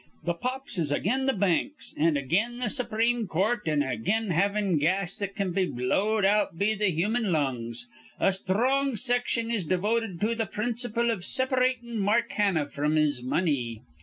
Th' Pops is again th' banks an' again the supreme court an again havin' gas that can be blowed out be th' human lungs. A sthrong section is devoted to th' principal iv separatin' Mark Hanna fr'm his money.